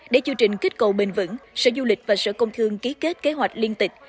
để chương trình kích cầu bền vững sở du lịch và sở công thương ký kết kế hoạch liên tịch